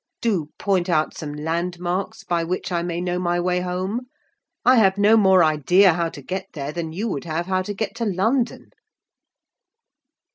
Do point out some landmarks by which I may know my way home: I have no more idea how to get there than you would have how to get to London!"